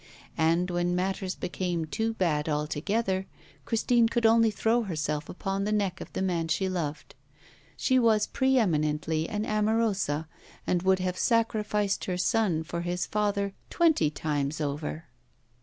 And when matters became too bad altogether, Christine could only throw herself upon the neck of the man she loved. She was pre eminently an amorosa and would have sacrificed her son for his father twenty times over.